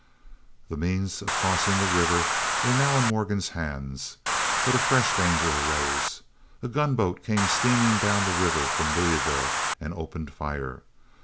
The means of crossing the river were now in Morgan's hands. But a fresh danger arose. A gunboat came steaming down the river from Louisville and opened fire.